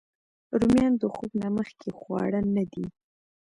رومیان د خوب نه مخکې خواړه نه دي